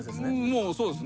もうそうですね。